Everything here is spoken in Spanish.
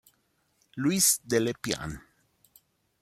Luis Dellepiane.